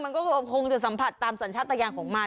มันก็คงจะสัมผัสตามสัญชาติยานของมัน